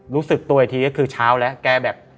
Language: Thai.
รู้สึกตัวอีกทีก็คือเช้าแล้วแกแบบ